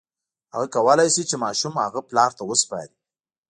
هغه کولی شي چې ماشوم هغه پلار ته وسپاري.